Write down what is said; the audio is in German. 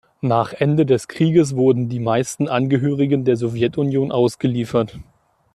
Nach Ende des Krieges wurden die meisten Angehörigen der Sowjetunion ausgeliefert.